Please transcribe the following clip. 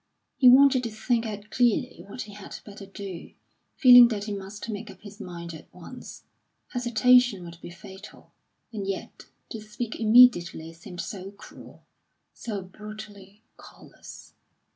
He wanted to think out clearly what he had better do, feeling that he must make up his mind at once. Hesitation would be fatal, and yet to speak immediately seemed so cruel, so brutally callous.